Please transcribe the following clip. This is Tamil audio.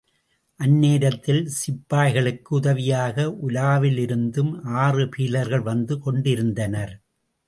அந்நேரத்தில் சிப்பாய்களுக்கு உதவியாக ஊலாவிலிருந்தும் ஆறு பீலர்கள் வந்து கொண்டிருந்தனர்.